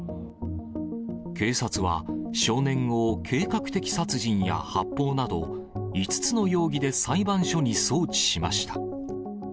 警察は、少年を計画的殺人や発砲など５つの容疑で裁判所に送致しました。